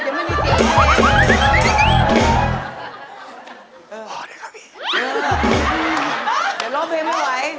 เดี๋ยวร้องเพลงไม่ไหว